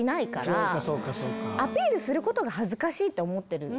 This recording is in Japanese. アピールすることが恥ずかしいと思ってる。